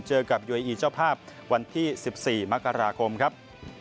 เจอกับเยอีเจ้าภาพวันที่๑๔มกราคมครับ